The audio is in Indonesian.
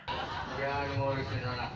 jangan ngurusin anakmu lihat dong